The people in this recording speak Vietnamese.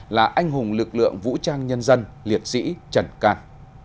là anh hùng lực lượng vũ trang nhân dân liệt sĩ trần cạn